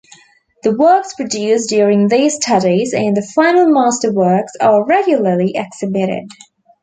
The works produced during these studies, and the final master works, are regularly exhibited.